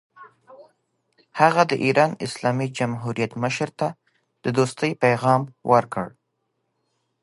هغه د ایران اسلامي جمهوریت مشر ته د دوستۍ پیغام ورکړ.